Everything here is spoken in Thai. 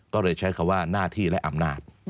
ก็เลยใช้คำว่าหน้าที่และอำนาจ